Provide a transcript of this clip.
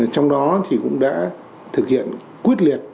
trong đó thì cũng đã thực hiện quyết liệt